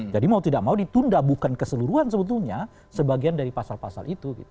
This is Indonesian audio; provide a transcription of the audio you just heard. jadi mau tidak mau ditunda bukan keseluruhan sebetulnya sebagian dari pasal pasal itu